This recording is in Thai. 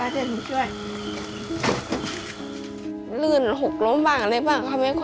ฉะนั้น